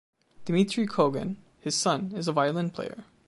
Dmitri Kogan, his son, is a violin player.